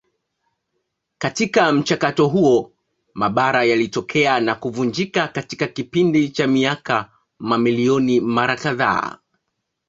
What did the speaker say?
Katika mchakato huo mabara yalitokea na kuvunjika katika kipindi cha miaka mamilioni mara kadhaa.